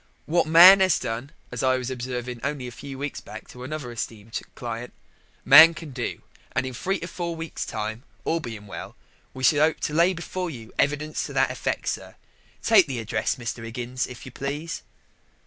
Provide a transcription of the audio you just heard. What man 'as done, as I was observing only a few weeks back to another esteemed client, man can do, and in three to four weeks' time, all being well, we shall 'ope to lay before you evidence to that effect, sir. Take the address, Mr. 'Iggins, if you please."